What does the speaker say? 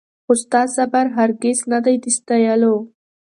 خو ستا صبر هرګز نه دی د ستایلو